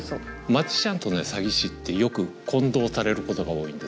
マジシャンとね詐欺師ってよく混同されることが多いんですよ。